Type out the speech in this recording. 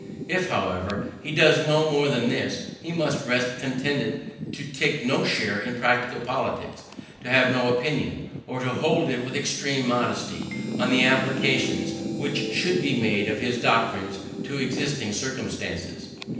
If, however, he does no more than this, he must rest contented to take no share in practical politics; to have no opinion, or to hold it with extreme modesty, on the applications which should be made of his doctrines to existing circumstances.